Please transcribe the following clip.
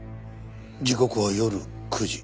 時刻は夜９時。